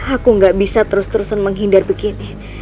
aku gak bisa terus terusan menghindar begini